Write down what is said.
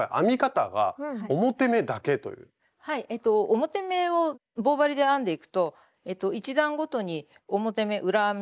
表目を棒針で編んでいくと１段ごとに表目裏目